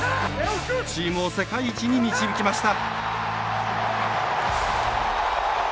チームを世界一に導きました。